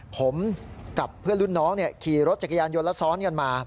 ผมกับเพื่อนรุ่นน้องขี่รถจักรยานยนต์และซ้อนกันมา